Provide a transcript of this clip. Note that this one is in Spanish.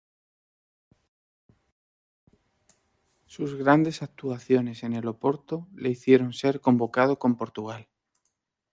Sus grandes actuaciones en el Oporto le hicieron ser convocado con Portugal.